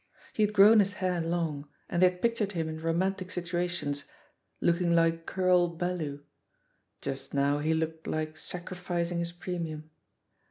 He had grown his hair long, and they had pictured him in romantic situations, looking like Kyrle Bellew. Just now he looked like sacrificing his premium.